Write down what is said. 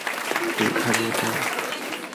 তুই খাবি ওটা?